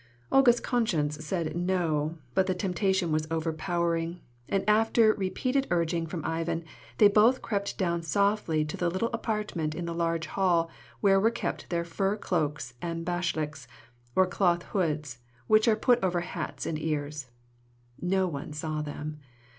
Olga's conscience said "no," but the temptation was overpowering, and after repeated urging from Ivan they both crept down softly to the little apartment in the large hall where were kept their fur cloaks and bashlyks, or cloth hoods, which are put over hats and ears. No one saw them.